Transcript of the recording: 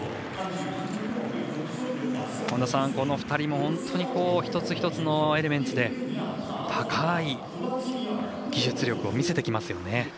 この２人も本当に一つ一つのエレメンツで高い技術力を見せてきますよね。